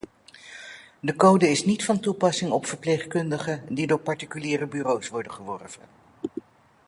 De code is niet van toepassing op verpleegkundigen die door particuliere bureaus worden geworven.